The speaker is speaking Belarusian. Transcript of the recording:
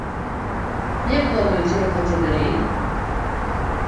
Як плануеце рухацца далей?